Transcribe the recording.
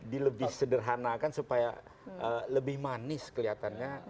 dilebih sederhanakan supaya lebih manis kelihatannya